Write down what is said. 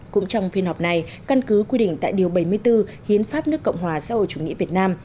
cũng trong phiên họp này căn cứ quy định tại điều bảy mươi bốn hiến pháp nước cộng hòa xã hội chủ nghĩa việt nam